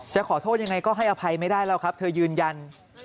จะขอโทษยังไงก็ให้อภัยไม่ได้แล้วครับเธอยืนยัน